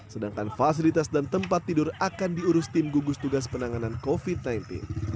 sedangkan fasilitas dan tempat tidur akan diurus tim gugus tugas penanganan covid sembilan belas